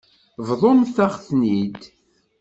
Bḍumt-aɣ-ten-id.